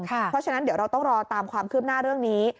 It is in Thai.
เพราะฉะนั้นเดี๋ยวเราต้องรอตามความคืบหน้าเรื่องนี้